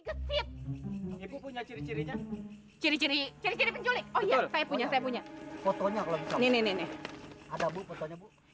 ibu punya ciri cirinya ciri ciri penculik oh ya saya punya saya punya fotonya kalau ini